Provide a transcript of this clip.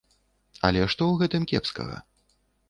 Але што ў гэтым кепскага?